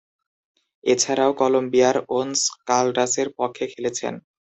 এছাড়াও, কলম্বিয়ার ওনস কালডাসের পক্ষে খেলেছেন।